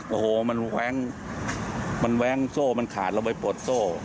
โอโฮมันแว้งโส้มันขาดเราไปปลดโส้